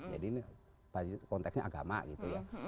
jadi ini konteksnya agama gitu ya